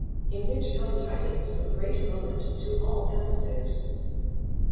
In Which Come Tidings of Great Moment to All Pallisers.